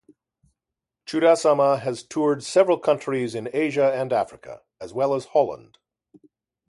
Chudasama has toured several countries in Asia and Africa, as well as Holland.